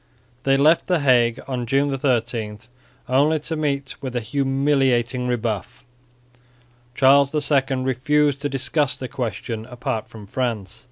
They left the Hague on June 13, only to meet with a humiliating rebuff. Charles II refused to discuss the question apart from France.